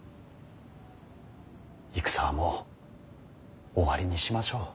戦はもう終わりにしましょう。